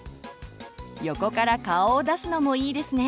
横から顔を出すのもいいですね。